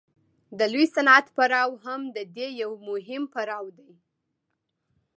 د لوی صنعت پړاو هم د دې یو مهم پړاو دی